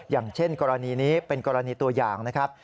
อย่างเช่นกรณีนี้เป็นกรณีตัวอย่างนะครับ